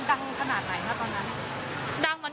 ใกล้กับเขาเลยใช่ไหมครับ